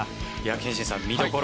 憲伸さん、見どころ